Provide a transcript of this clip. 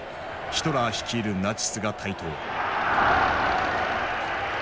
ヒトラー率いるナチスが台頭。